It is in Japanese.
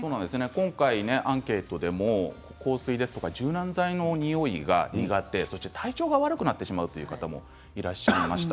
今回アンケートでも香水ですとか柔軟剤の匂いが苦手、体調が悪くなってしまうという人がいらっしゃいました。